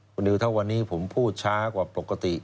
คุณนิวถ้าวันนี้ผมพูดช้ากว่าปกติ